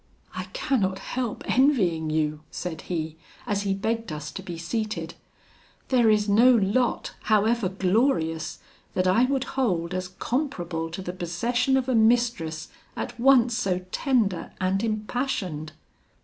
"'I cannot help envying you,' said he, as he begged us to be seated; 'there is no lot, however glorious, that I would hold as comparable to the possession of a mistress at once so tender and impassioned.'